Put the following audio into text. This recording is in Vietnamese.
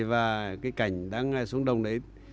và cái cảnh đang xuống đồng đấy